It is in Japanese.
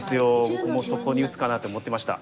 僕も「そこに打つかな」って思ってました。